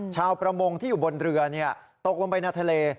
ชาวประมงบนเรือตกกลงไปทะเล